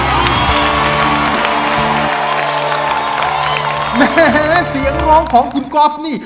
แหมเสียงร้องของคุณก๊อฟนี่